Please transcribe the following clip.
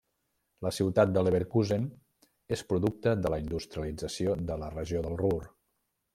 La ciutat de Leverkusen és producte de la industrialització de la Regió del Ruhr.